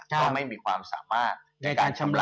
ก็ไม่มีความสามารถในการชำระ